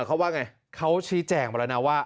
เขาว่าไงเขาชี้แจงมาแล้วนะว่า